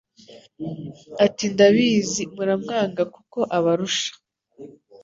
Ati ndabizi muramwanga kuko abarusha